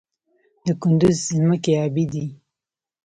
د کندز ځمکې ابي دي